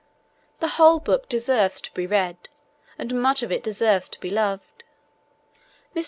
The whole book deserves to be read, and much of it deserves to be loved. Mr.